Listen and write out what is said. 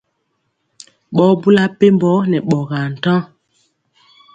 Ɓɔ bula mpembɔ nɛ ɓɔgaa ntaŋ.